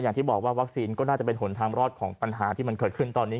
อย่างที่บอกว่าวัคซีนก็น่าจะเป็นหนทางรอดของปัญหาที่มันเกิดขึ้นตอนนี้